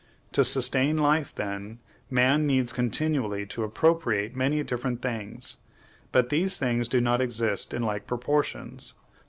To sustain life, then, man needs continually to appropriate many different things. But these things do not exist in like proportions.